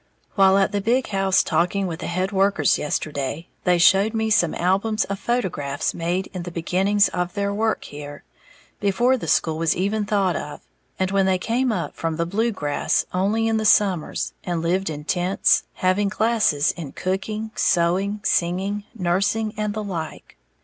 _ While at the big house talking with the head workers yesterday, they showed me some albums of photographs made in the beginnings of their work here, before the school was even thought of, and when they came up from the Blue Grass only in the summers, and lived in tents, having classes in cooking, sewing, singing, nursing and the like.